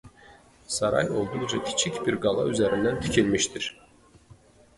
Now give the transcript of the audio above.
Saray olduqca kiçik bir qala üzərində tikilmişdir.